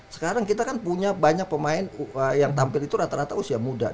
sekarang kita kan punya banyak pemain yang tampil itu rata rata usia muda